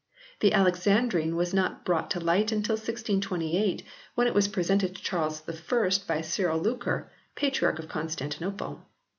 The Alexandrine was not brought to light until 1628 when it was presented to Charles I by Cyril Lucar, patriarch of Constantinople.